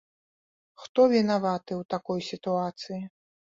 Хто вінаваты ў такой сітуацыі?